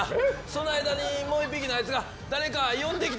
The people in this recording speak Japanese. その間にもう１匹のやつが誰か呼んできてくれるんやな。